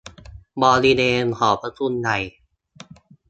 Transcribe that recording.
บริเวณหอประชุมใหญ่